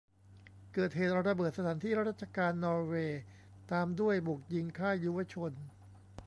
เกิดเหตุระเบิดสถานที่ราชการนอร์เวย์ ตามด้วยบุกยิงค่ายยุวชน